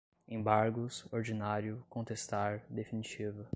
embargos, ordinário, contestar, definitiva